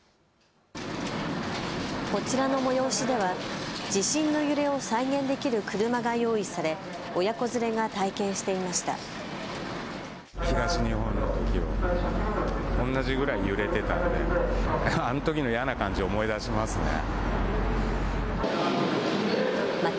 こちらの催しでは地震の揺れを再現できる車が用意され親子連れが体験していました。